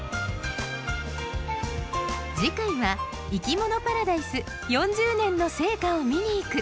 次回は「いきものパラダイス４０年の成果を見に行く」。